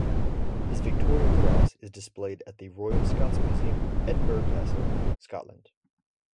His Victoria Cross is displayed at the Royal Scots Museum, Edinburgh Castle, Scotland.